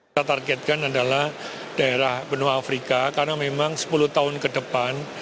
kita targetkan adalah daerah benua afrika karena memang sepuluh tahun ke depan